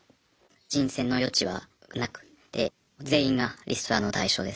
人選の余地はなくて全員がリストラの対象です。